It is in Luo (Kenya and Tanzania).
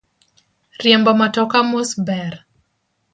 Riembo matoka mos ber.